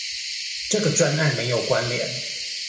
這個專案有沒有關聯